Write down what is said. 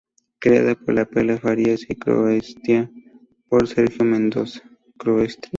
Creada por Perla Farías y coescrita por Sergio Mendoza.